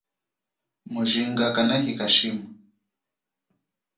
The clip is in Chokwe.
Mujinga kanahika shima.